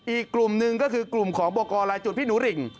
อีกกลุ่มหนึ่งก็คือกลุ่มของบอกกรลายจุดพี่หนูริ่ง